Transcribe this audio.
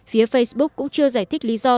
phía facebook cũng chưa giải thích lý do